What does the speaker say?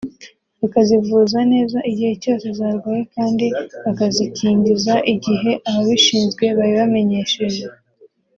bakazivuza neza igihe cyose zarwaye kandi bakazikingiza igihe ababishinzwe babibamenyesheje